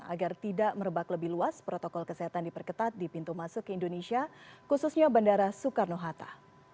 agar tidak merebak lebih luas protokol kesehatan diperketat di pintu masuk ke indonesia khususnya bandara soekarno hatta